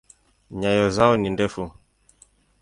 Nyayo zao ni ndefu.